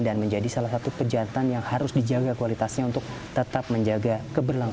dan menjadi salah satu kejahatan yang harus dijaga kualitasnya untuk tetap menjaga kualitasnya